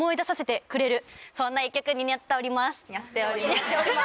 ・にゃっております・